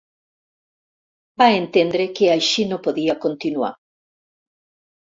Va entendre que així no podia continuar.